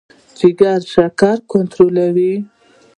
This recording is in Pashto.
جګر شکر کنټرولوي.